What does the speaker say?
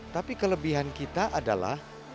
tapi kelebihan kita adalah